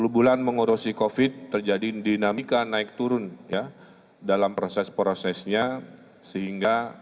sepuluh bulan mengurusi covid sembilan belas terjadi dinamika naik turun dalam proses prosesnya